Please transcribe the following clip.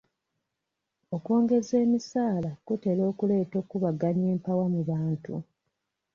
Okwongeza emisaala kutera okuleeta okubaganya empawa mu bantu.